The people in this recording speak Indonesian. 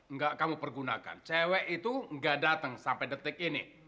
nih gak pernah begini nih